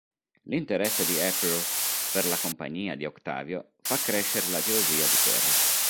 L'interesse di April per la compagnia di Octavio fa accrescere la gelosia di Perry.